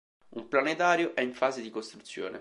Un planetario è in fase di costruzione.